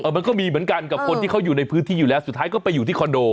มันก็มีเหมือนกันกับคนที่เขาอยู่ในพื้นที่อยู่แล้วสุดท้ายก็ไปอยู่ที่คอนโด